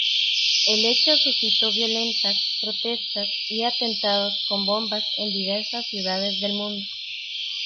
El hecho suscitó violentas protestas y atentados con bombas en diversas ciudades del mundo.